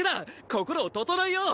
心を整えよう！